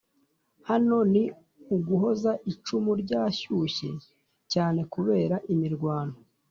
hano ni uguhoza icumu ryashyushye cyane kubera imirwano